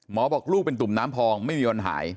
บอกลูกเป็นตุ่มน้ำพองไม่มีวันหาย